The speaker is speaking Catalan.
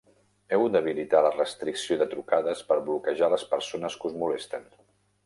Heu d'habilitar la restricció de trucades per bloquejar les persones que us molesten.